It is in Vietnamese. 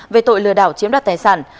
về tội lừa đảo chiếm đoạt tài sản